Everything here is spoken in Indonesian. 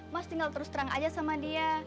mas tinggal terus terang aja sama dia